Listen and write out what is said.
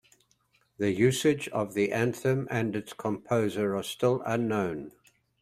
The usage of the anthem and its composer are still unknown.